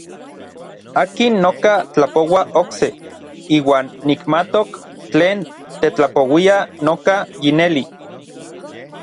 Akin noka tlapoua okse, iuan nikmatok tlen tetlapouia noka yineli.